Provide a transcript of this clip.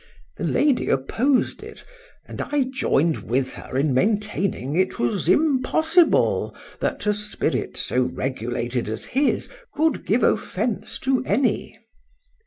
—The lady opposed it, and I joined with her in maintaining it was impossible, that a spirit so regulated as his, could give offence to any.